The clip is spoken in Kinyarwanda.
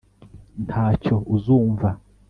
ntacyo uzumva